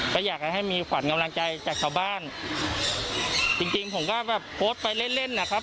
ก็อยากให้มีขวัญกำลังใจจากชาวบ้านจริงจริงผมก็แบบโพสต์ไปเล่นเล่นนะครับ